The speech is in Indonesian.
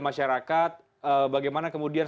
masyarakat bagaimana kemudian